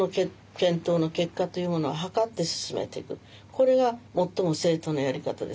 これが最も正当なやり方です。